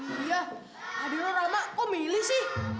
iya adilnya rama kok milih sih